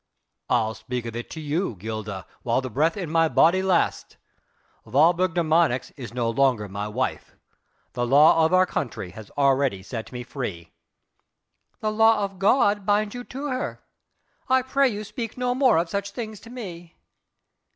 "I'll speak of it to you, Gilda, while the breath in my body lasts. Walburg de Marnix is no longer my wife. The law of our country has already set me free." "The law of God binds you to her. I pray you speak no more of such things to me."